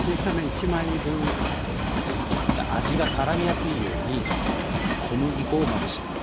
で味がからみやすいように小麦粉をまぶします。